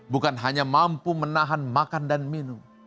bukan hanya mampu menahan makan dan minum